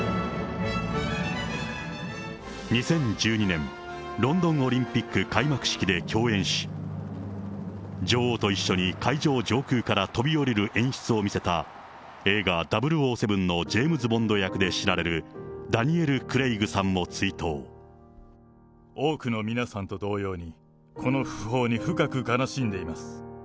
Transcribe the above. ２０１２年、ロンドンオリンピック開幕式で共演し、女王と一緒に会場上空から飛び降りる演出を見せた、映画００７のジェームズ・ボンド役で知られるダニエル・クレイグ多くの皆さんと同様に、このふ報に深く悲しんでいます。